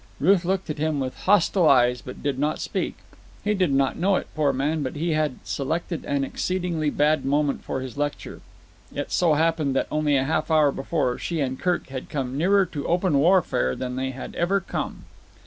Ruth looked at him with hostile eyes, but did not speak. He did not know it, poor man, but he had selected an exceedingly bad moment for his lecture. It so happened that, only half an hour before, she and Kirk had come nearer to open warfare than they had ever come.